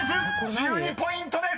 ［１２ポイントです］